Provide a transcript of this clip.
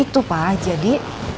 itu pak jadi